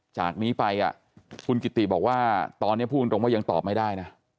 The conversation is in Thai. จากนี้ไปคุณกิติบอกว่าตอนนี้พูดตรงว่ายังตอบไม่ได้นะ